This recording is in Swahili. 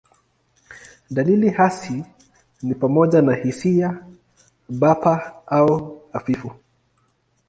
Dalili hasi ni pamoja na hisia bapa au hafifu.